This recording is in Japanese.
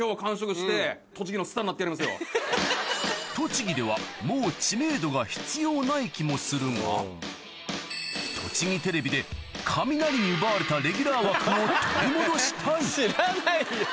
栃木ではもう知名度が必要ない気もするがとちぎテレビでカミナリに奪われたレギュラー枠を取り戻したい知らないよ。